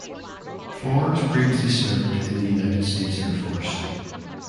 Fors previously served in the United States Air Force.